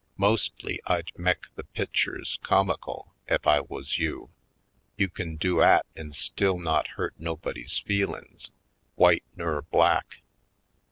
Mostly I'd mek the pitchers comical, ef I wuz you. You kin do 'at an' still not hurt nobody's feelin's, w'ite nur black.